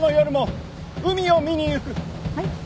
はい？